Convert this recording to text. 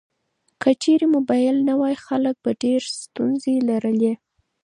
که چیرې موبایل نه وای، خلک به ډیر ستونزې لرلې.